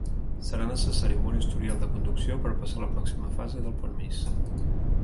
Serà necessari un bon historial de conducció per passar a la pròxima fase del permís.